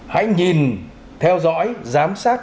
hãy nhìn theo dõi giám sát